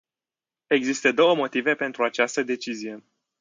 Există două motive pentru această decizie.